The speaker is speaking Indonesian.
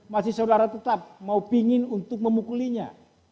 masih saudara tetap mau pingin untuk memukulinya